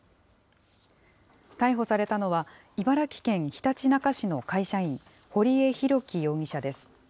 逮捕されたのは、茨城県ひたちなか市の会社員、堀江弘輝容疑者です。